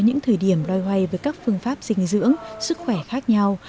hoài hoài với các phương pháp dinh dưỡng sức khỏe khác nhau